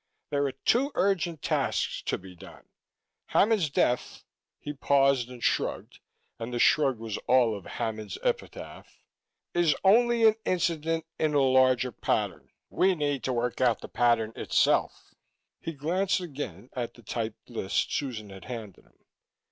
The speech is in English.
There are two urgent tasks to be done. Hammond's death " he paused and shrugged, and the shrug was all of Hammond's epitaph "is only an incident in a larger pattern; we need to work out the pattern itself." He glanced again at the typed list Susan had handed him.